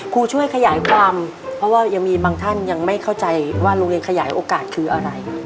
ช่วยขยายความเพราะว่ายังมีบางท่านยังไม่เข้าใจว่าโรงเรียนขยายโอกาสคืออะไร